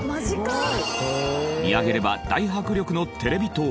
見上げれば大迫力のテレビ塔！